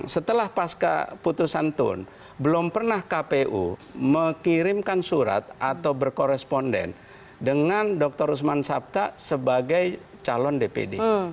setelah pasca putusan tun belum pernah kpu mengirimkan surat atau berkoresponden dengan dr usman sabta sebagai calon dpd